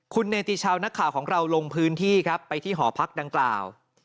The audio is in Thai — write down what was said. คุณเนติชาวนักข่าวของเราลงพื้นที่ครับไปที่หอพักดังกล่าว